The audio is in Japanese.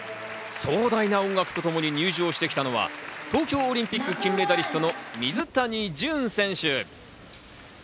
壮大な音楽とともに入場してきたのは東京オリンピック金メダリストの水谷隼選手。